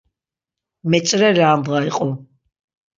Meç̌ireli ar ndğa iqu.